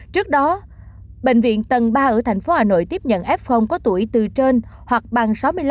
trước đó bệnh viện tầng ba ở thành phố hà nội tiếp nhận f có tuổi từ trên hoặc bằng sáu mươi năm